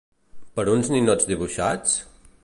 ¿Per uns ninots dibuixats?